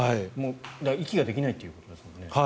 息ができないということですよね。